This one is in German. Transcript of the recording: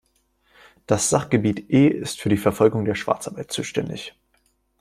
Das Sachgebiet E ist für die Verfolgung der Schwarzarbeit zuständig.